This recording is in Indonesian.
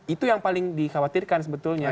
itu yang paling dikhawatirkan sebetulnya